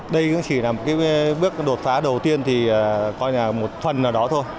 đây cũng chỉ là một bước đột phá đầu tiên thì coi là một phần là đó thôi